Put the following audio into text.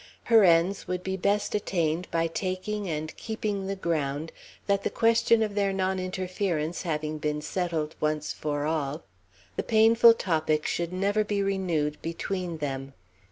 Her ends would be best attained by taking and keeping the ground that the question of their non interference having been settled once for all, the painful topic should never be renewed between them.